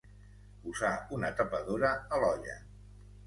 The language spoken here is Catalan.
Posar una tapadora a l'olla.